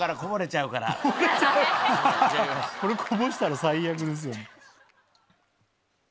これこぼしたら最悪ですよね。